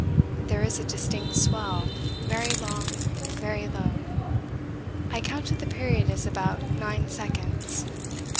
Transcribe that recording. There is a distinct swell very long, very low. I counted the period as about nine seconds.